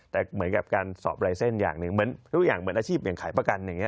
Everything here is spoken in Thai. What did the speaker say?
แต่เหมือนกับการสอบลายเส้นอย่างหนึ่งเหมือนทุกอย่างเหมือนอาชีพอย่างขายประกันอย่างนี้